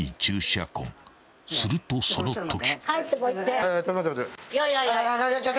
［するとそのとき］